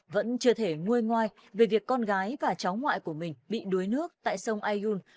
vẫn chưa thể nguôi ngoai về việc con gái và cháu ngoại của mình bị đuối nước tại sông ayun